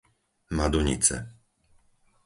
Madunice